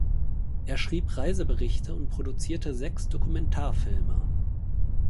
Er schrieb Reiseberichte und produzierte sechs Dokumentarfilme.